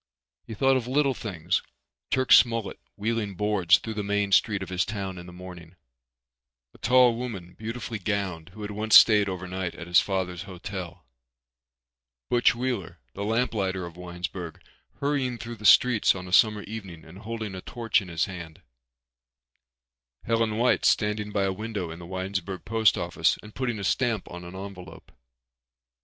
He thought of little things—Turk Smollet wheeling boards through the main street of his town in the morning, a tall woman, beautifully gowned, who had once stayed overnight at his father's hotel, Butch Wheeler the lamp lighter of Winesburg hurrying through the streets on a summer evening and holding a torch in his hand, Helen White standing by a window in the Winesburg post office and putting a stamp on an envelope.